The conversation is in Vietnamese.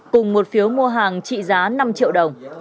cùng một phiếu mua hàng trị giá năm triệu đồng